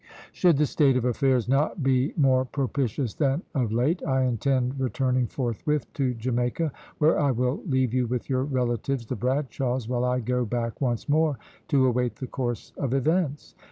"Should the state of affairs not be more propitious than of late, I intend returning forthwith to Jamaica, where I will leave you with your relatives, the Bradshaws, while I go back once more to await the course of events.